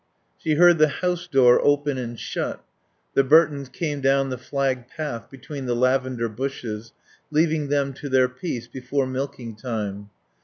She heard the house door open and shut. The Burtons came down the flagged path between the lavender bushes, leaving them to their peace before milking time.